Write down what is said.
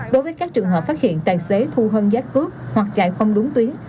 đối với các trường hợp phát hiện tài xế thu hân giác cước hoặc chạy không đúng tuyến